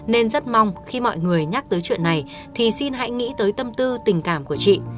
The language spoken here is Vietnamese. nên rất mong khi mọi người nhắc tới chuyện này thì xin hãy nghĩ tới tâm tư tình cảm của chị